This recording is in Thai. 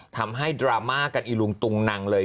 ทำให้ดราม่ากันอิลุงน์ตุ๋นังเลย